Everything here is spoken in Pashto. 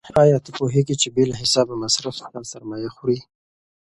آیا ته پوهېږې چې بې له حسابه مصرف ستا سرمایه خوري؟